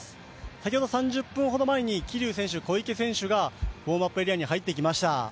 先ほど３０分ほど前に桐生選手、小池選手がウォームアップエリアに入ってきました。